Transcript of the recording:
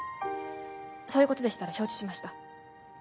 そういう事でしたら承知しました。